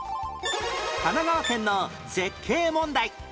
神奈川県の絶景問題